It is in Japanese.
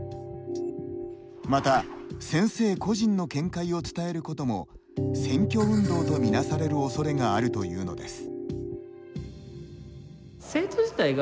また、先生個人の見解を伝えることも選挙運動と見なされるおそれがあるというのです。